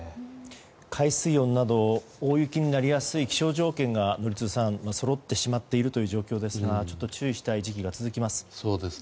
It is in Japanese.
海水温など大雪になりやすい気象条件が宜嗣さんそろってしまっている状況ですが注意したい時期が続きます。